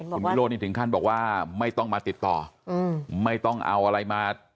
คุณวิโรธนี่ถึงขั้นบอกว่าไม่ต้องมาติดต่อไม่ต้องเอาอะไรมา